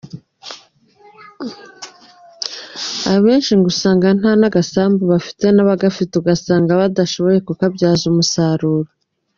Abenshi ngo usanga nta n’agasambu bagira n’ako bafite ugasanga badashoboye kukabyaza umusaruro.